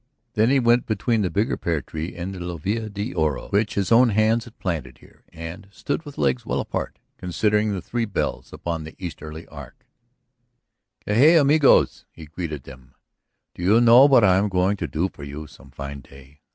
Then he went between the bigger pear tree and the lluvia de oro which his own hands had planted here, and stood with legs well apart considering the three bells upon the easterly arch. "Que hay, amigos?" he greeted them. "Do you know what I am going to do for you some fine day?